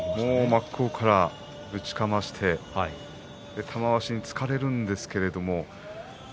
真っ向からぶちかまして玉鷲に突かれるんですけれども。